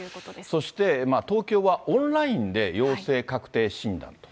そして東京はオンラインで陽性確定診断と。